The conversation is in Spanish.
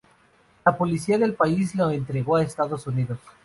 La policía del país lo entregó a Estados Unidos.